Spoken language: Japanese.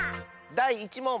だい１もん！